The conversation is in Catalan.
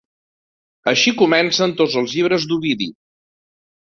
Així comencen tots els llibres d'Ovidi.